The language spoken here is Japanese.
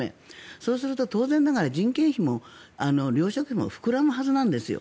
そうすると、当然ながら人件費も糧食費も膨らむはずなんですよ。